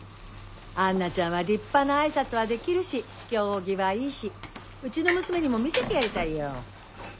杏奈ちゃんは立派な挨拶はできるし行儀はいいしうちの娘にも見せてやりたいよ。